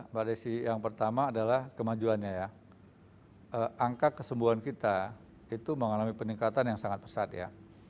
mbak desi yang pertama adalah kemajuannya ya angka kesembuhan kita itu mengalami peningkatan yang sangat pesat ya